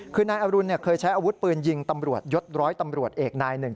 คือนายอรุณเคยใช้อาวุธปืนยิงตำรวจยศร้อยตำรวจเอกนายหนึ่ง